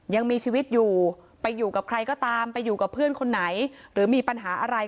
ยังมีชีวิตอยู่ไปอยู่กับใครก็ตามไปอยู่กับเพื่อนคนไหนหรือมีปัญหาอะไร